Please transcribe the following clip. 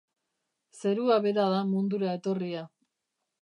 Zerua bera da mundura etorria.